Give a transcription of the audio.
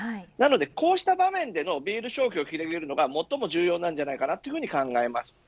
こうした場面でのビール消費を広げるのが最も重要ではないかと考えます。